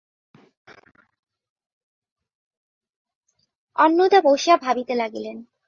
অন্নদা বসিয়া ভাবিতে লাগিলেন।